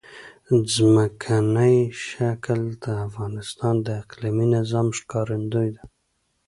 ځمکنی شکل د افغانستان د اقلیمي نظام ښکارندوی ده.